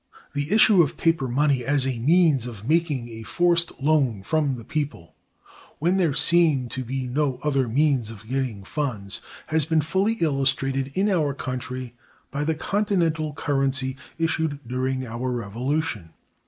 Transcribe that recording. The issue of paper money as a means of making a forced loan from the people, when there seem to be no other means of getting funds, has been fully illustrated in our country by the Continental currency issued during our Revolution.